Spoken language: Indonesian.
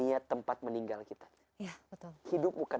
itu bukan tempat yang kita lakukan